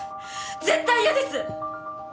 絶対嫌です！